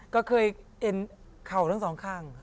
ก็เคยเอ็นเข่าทั้งสองข้าง